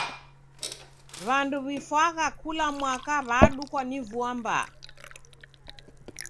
W'andu w'ifwagha kula mwaka w'adukwa ni vua mbaa.